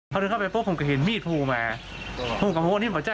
พอถึงเข้าไปปุ๊บผมก็เห็นมีหูมาหูกระโมงที่บะ